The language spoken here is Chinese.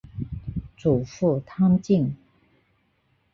祖父汤敬。